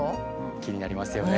気になりますよね。